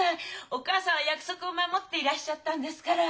お母さんは約束を守っていらっしゃったんですから。